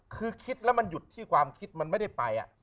คือคิดแล้วมันหยุดที่ความคิดมันไม่ได้ไป